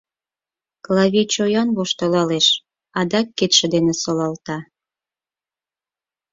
— Клави чоян воштылалеш, адак кидше дене солалта.